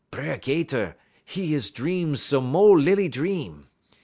"B'er 'Gater, 'e is dream some mo' lilly dream.